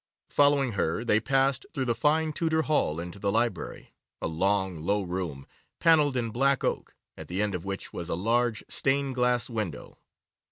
Following her, they passed through the fine Tudor hall into the library, a long, low room, panelled in black oak, at the end of which was a large stained glass window.